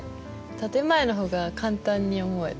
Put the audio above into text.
建て前の方が簡単に思えた。